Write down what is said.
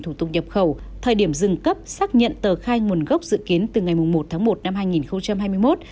trong thời điểm dừng cấp sắp nhận tờ khai nguồn gốc dự kiến từ ngày một tháng một năm hai nghìn hai mươi một